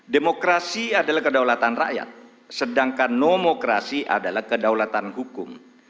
demokrasi adalah kedaulatan rakyat sedangkan nomokrasi adalah kedaulatan hukum